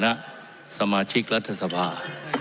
ในฐานะสมาชิกรัฐศภา